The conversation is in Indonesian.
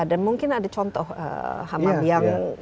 dan mungkin ada contoh hamad